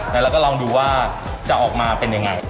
แล้วเราก็ลองดูว่าจะออกมาเป็นยังไง